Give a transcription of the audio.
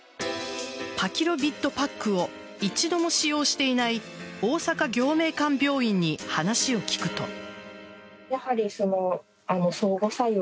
パキロビッドパックを一度も使用していない大阪暁明館病院に話を聞くと。